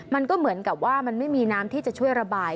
มันก็เหมือนกับว่ามันไม่มีน้ำที่จะช่วยระบาย